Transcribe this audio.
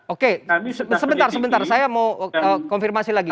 oke sebentar sebentar saya mau konfirmasi lagi